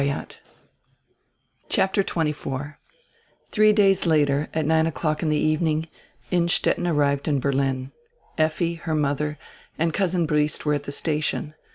"] CHAPTER XXIV THREE days later, at nine o'clock in the evening, Innstet ten arrived in Berlin. Effi, her mother, and Cousin Briest were at die station.